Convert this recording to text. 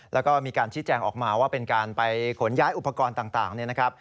แล้วก็มีการชิดแจ้งออกมาว่าเป็นการไปขนย้ายอุปกรณ์ต่าง